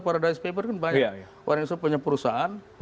paradise paper kan banyak orang yang punya perusahaan